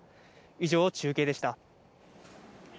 以上、中継でした。